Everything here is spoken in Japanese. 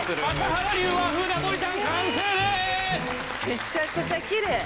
めちゃくちゃきれい！